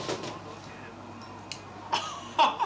アッハハ！